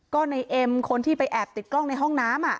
ก็ในเอ็มคนที่ไปแอบติดกล้องในห้องน้ำ